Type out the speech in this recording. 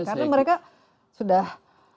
karena mereka sudah